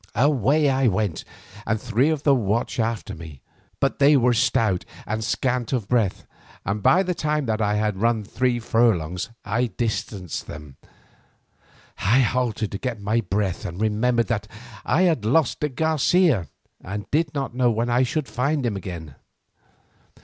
Away I went and three of the watch after me, but they were stout and scant of breath, and by the time that I had run three furlongs I distanced them. I halted to get my breath and remembered that I had lost de Garcia and did not know when I should find him again.